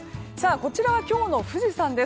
こちらは今日の富士山です。